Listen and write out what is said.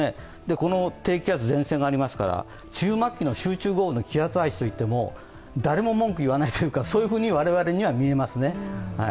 この低気圧、前線がありますから、梅雨末期の集中豪雨の気圧配置と言っても誰も文句を言わないというか、そういうふうに我々には見えますね。